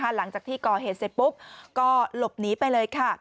หลังจากที่ก่อเหตุเสร็จปุ๊บก็หลบหนีไปเลยค่ะ